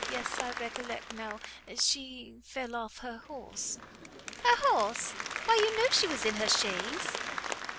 Yes, I recollect now, she fell off her horse." "Her horse? Why you know she was in her chaise."